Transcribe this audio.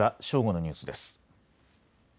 正午のニュースです。